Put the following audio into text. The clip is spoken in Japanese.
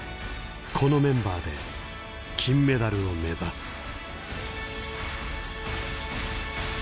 このメンバーで金メダルを目指す。